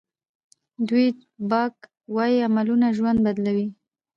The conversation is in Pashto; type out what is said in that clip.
ډویډ باک وایي عملونه ژوند بدلوي.